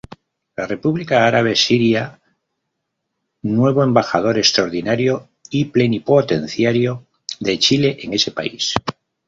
La República Árabe Siria nuevo embajador Extraordinario y Plenipotenciario de Chile en ese país.